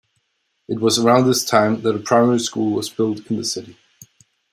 It was around this time that a primary school was built in the city.